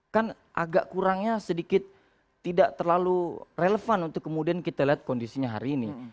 kan agak kurangnya sedikit tidak terlalu relevan untuk kemudian kita lihat kondisinya hari ini